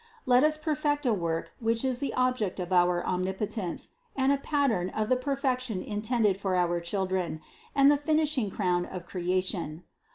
Let Us perfect a work which is the object of our Omnipotence and a pattern of the perfection in tended for our children, and the finishing crown of cre ation.